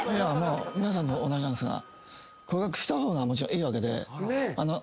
皆さんと同じなんですが。